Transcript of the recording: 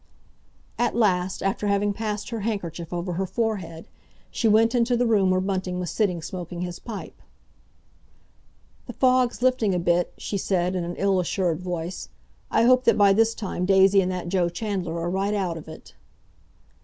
At last, after having passed her handkerchief over her forehead, she went into the room where Bunting was sitting smoking his pipe. "The fog's lifting a bit," she said in an ill assured voice. "I hope that by this time Daisy and that Joe Chandler are right out of it."